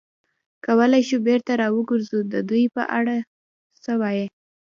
کولای شو بېرته را وګرځو، د دوی په اړه څه وایې؟